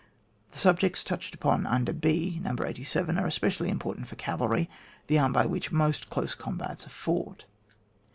The subjects touched upon under b (No. 87) are especially important for cavalry, the arm by which most dose combats are fought.